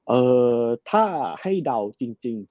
เออถ้าให้เดาจริง